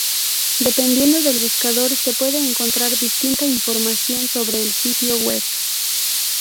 Dependiendo del buscador, se puede encontrar distinta información sobre el sitio web.